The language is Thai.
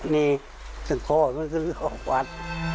มันต้องกอด